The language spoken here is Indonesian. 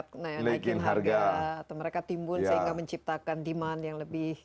naikin harga atau mereka timbun sehingga menciptakan demand yang lebih